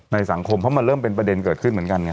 สังคมเพราะมันเริ่มเป็นประเด็นเกิดขึ้นเหมือนกันไง